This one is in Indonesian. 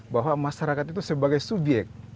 bahwa masyarakat itu sebagai subyek